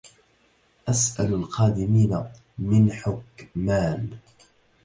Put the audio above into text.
أسأل القادمين من حكمان